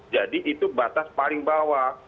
jadi itu batas paling bawah